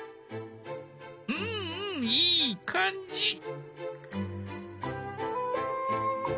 うんうんいい感じ。